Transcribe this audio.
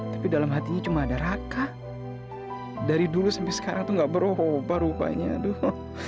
tapi dalam hatinya cuma ada raka dari dulu sampai sekarang tuh gak berubah rupanya aduh